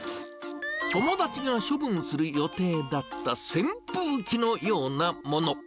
友達が処分する予定だった扇風機のようなもの。